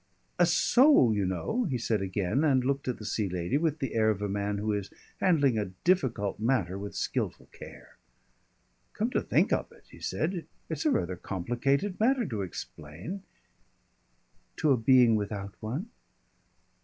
"A soul, you know," he said again, and looked at the Sea Lady with the air of a man who is handling a difficult matter with skilful care. "Come to think of it," he said, "it's a rather complicated matter to explain " "To a being without one?"